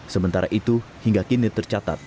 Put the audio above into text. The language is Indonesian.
sementara itu hingga kini tercatat